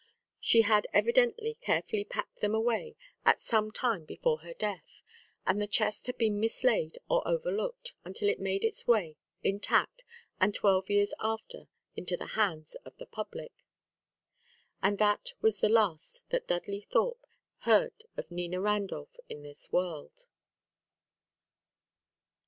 She had evidently carefully packed them away at some time before her death; and the chest had been mislaid or overlooked, until it made its way, intact, and twelve years after, into the hands of the public. And that was the last that Dudley Thorpe heard of Nina Randolph in this world.